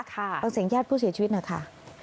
ฟังเสียงญาติผู้เสียชีวิตหน่อยค่ะ